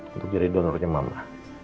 untuk jadi donornya mama